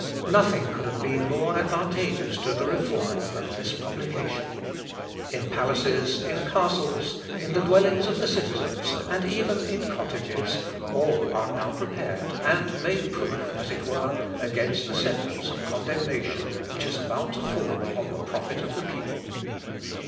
Nothing could have been more advantageous to the Reformer than this publication. In palaces, in castles, in the dwellings of the citizens, and even in cottages, all are now prepared, and made proof, as it were, against the sentence of condemnation which is about to fall upon the prophet of the people.